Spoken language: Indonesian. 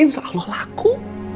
insya allah laku